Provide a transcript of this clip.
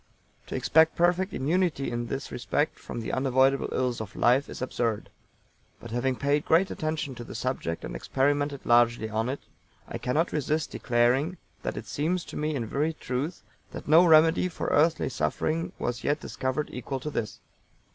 To expect perfect immunity in this respect from the unavoidable ills of life is absurd; but having paid great attention to the subject, and experimented largely on it, I cannot resist declaring that it seems to me in very truth that no remedy for earthly suffering was yet discovered equal to this.